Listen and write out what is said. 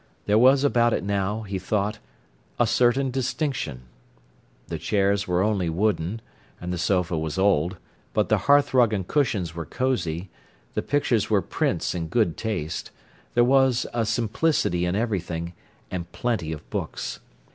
There was about it now, he thought, a certain distinction. The chairs were only wooden, and the sofa was old. But the hearthrug and cushions were cosy; the pictures were prints in good taste; there was a simplicity in everything, and plenty of books.